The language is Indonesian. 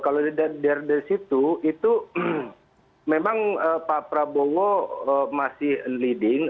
kalau dari situ itu memang pak prabowo masih leading